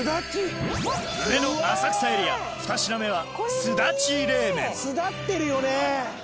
上野・浅草エリア２品目はすだってるよね。